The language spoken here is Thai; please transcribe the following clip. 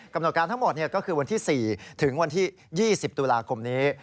กำหนดการทั้งหมดก็คือวันที่๔ถึงวันที่๒๐ตุลาคมนี้